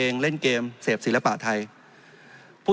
จริงโครงการนี้มันเป็นภาพสะท้อนของรัฐบาลชุดนี้ได้เลยนะครับ